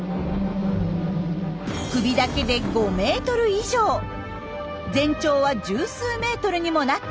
首だけで５ｍ以上全長は１０数ｍにもなったという丹波竜。